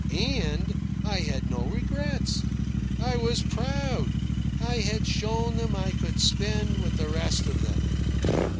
And I had no regrets. I was proud. I had shown them I could spend with the best of them.